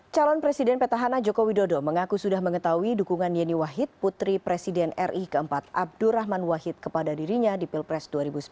calon presiden petahana joko widodo mengaku sudah mengetahui dukungan yeni wahid putri presiden ri keempat abdurrahman wahid kepada dirinya di pilpres dua ribu sembilan belas